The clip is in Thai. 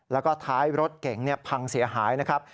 แล้วก็ท้ายรถเก๋งพังเสียหายนะครับ